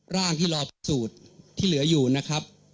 ร่างที่รอพิสูจน์ที่เหลืออยู่นะครับ